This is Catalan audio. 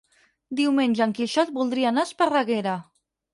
Diumenge en Quixot voldria anar a Esparreguera.